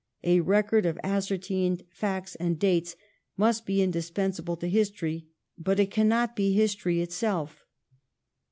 A record of ascertained facts and dates must be indispensable to history but it cannot be history itself.